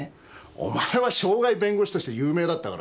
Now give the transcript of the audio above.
お前は渉外弁護士として有名だったからさ。